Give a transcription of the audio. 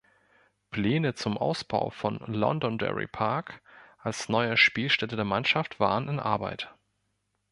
Pläne zum Ausbau von Londonderry Park als neuer Spielstätte der Mannschaft waren in Arbeit.